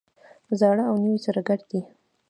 زاړه او نوي سره ګډ دي.